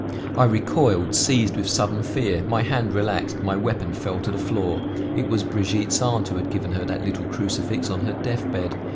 I recoiled, seized with sudden fear; my hand relaxed, my weapon fell to the floor. It was Brigitte's aunt who had given her that little crucifix on her death bed.